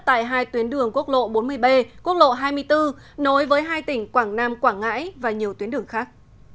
tại hai tuyến đường quốc lộ bốn mươi b quốc lộ hai mươi bốn nối với hai tỉnh quảng nam quảng ngãi và nhiều tuyến đường khác